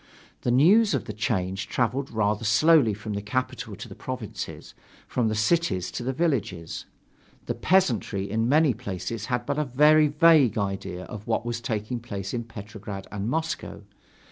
The news of the change traveled rather slowly from the capital to the provinces, from the cities to the villages. The peasantry in many places had but a very vague idea of what was taking place in Petrograd and Moscow.